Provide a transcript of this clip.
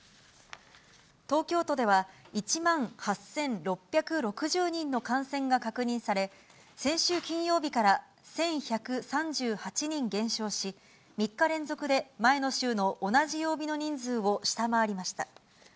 東京都では、１万８６６０人の感染が確認され、先週金曜日から１１３８人減少し、３日連続で前の週の同じ曜日の人数を下回りました。